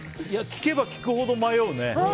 聞けば聞くほど迷うね。